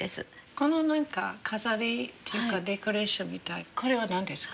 この何か飾りデコレーションみたいこれは何ですか？